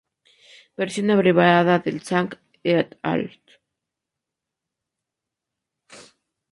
Versión abreviada de Zhang "et al.